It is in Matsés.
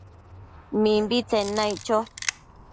Mimbitsen naic cho